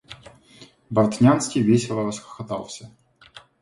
Бартнянский весело расхохотался.